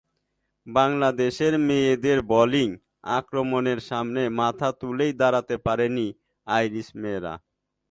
বাংলাদেশের মেয়েদের বোলিং আক্রমণের সামনে মাথা তুলেই দাঁড়াতে পারেননি আইরিশ মেয়েরা।